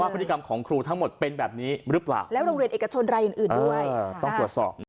พฤติกรรมของครูทั้งหมดเป็นแบบนี้หรือเปล่าแล้วโรงเรียนเอกชนรายอื่นด้วยต้องตรวจสอบนะ